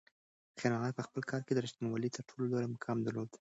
خیر محمد په خپل کار کې د رښتونولۍ تر ټولو لوړ مقام درلود.